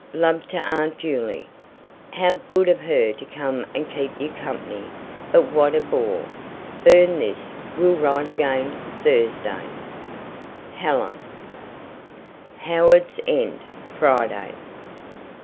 Love to Aunt Juley; how good of her to come and keep you company, but what a bore. Burn this. Will write again Thursday. Helen HOWARDS END, FRIDAY.